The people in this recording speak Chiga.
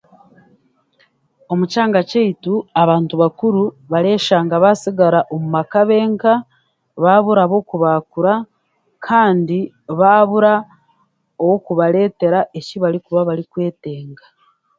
Omu kyanga kyaitu abantu bakuru bareshanga baasigara omu maka benka baabura ab'okubaakura kandi baabura owokubareetera ekibarikuba bareetenga